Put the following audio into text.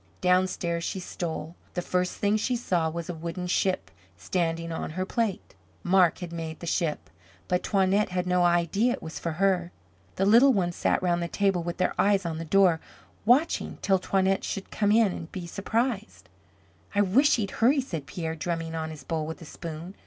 Downstairs she stole. The first thing she saw was a wooden ship standing on her plate. Marc had made the ship, but Toinette had no idea it was for her. The little ones sat round the table with their eyes on the door, watching till Toinette should come in and be surprised. "I wish she'd hurry," said Pierre, drumming on his bowl with a spoon.